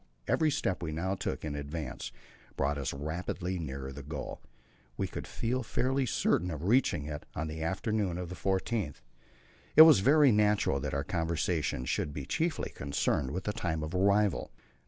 Every step we now took in advance brought us rapidly nearer the goal; we could feel fairly certain of reaching it on the afternoon of the 14th. It was very natural that our conversation should be chiefly concerned with the time of arrival.